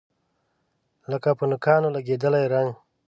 لکه په نوکانو لګیدلی رنګ